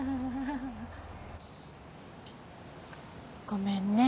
ごめんね。